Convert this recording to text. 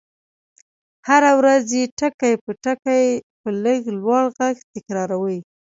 هره ورځ يې ټکي په ټکي په لږ لوړ غږ تکراروئ.